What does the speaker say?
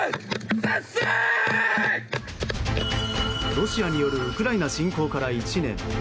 ロシアによるウクライナ侵攻から１年。